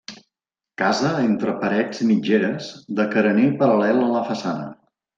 Casa entre parets mitgeres, de carener paral·lel a la façana.